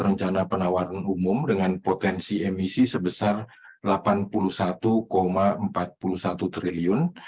rencana penawaran umum dengan potensi emisi sebesar rp delapan puluh satu empat puluh satu triliun